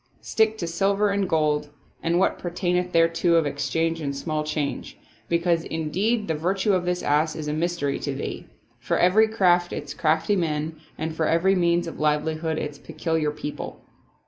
Stick to silver and gold and what pertaineth thereto of exchange and small change; because indeed the virtue of this ass is a mystery to thee. For every craft its crafty men and for every means of livelihood its peculiar people."